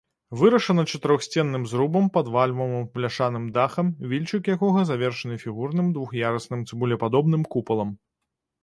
Вырашана чатырохсценным зрубам пад вальмавым бляшаным дахам, вільчык якога завершаны фігурным двух'ярусным цыбулепадобным купалам.